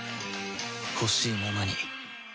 ほしいままに